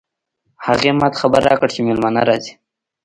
هغې ما ته خبر راکړ چې مېلمانه راځي